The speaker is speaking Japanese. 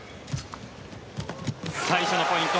最初のポイント